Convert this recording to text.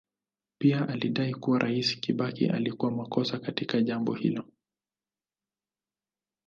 Pia alidai kuwa Rais Kibaki alikuwa makosa katika jambo hilo.